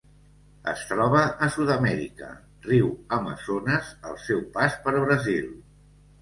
Es troba a Sud-amèrica: riu Amazones al seu pas per Brasil.